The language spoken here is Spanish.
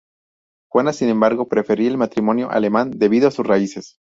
Juana sin embargo prefería el matrimonio alemán debido a sus raíces.